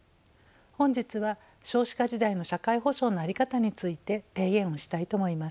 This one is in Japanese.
本日は少子化時代の社会保障の在り方について提言をしたいと思います。